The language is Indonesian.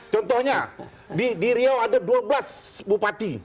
contohnya di riau ada dua belas bupati